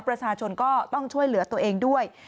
ประชาชนก็ต้องช่วยเหลือตัวเองด้วย